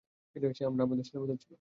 সে আমরা ছেলেদের মতো ছিল।